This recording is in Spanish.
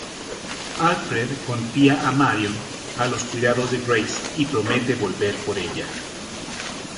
Alfred confía a Marion a los cuidados de Grace, y promete volver por ella.